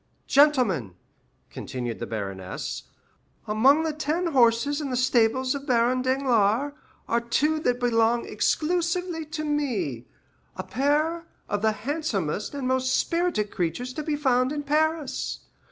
Gentlemen," continued the baroness, "among the ten horses in the stables of Baron Danglars, are two that belong exclusively to me—a pair of the handsomest and most spirited creatures to be found in Paris.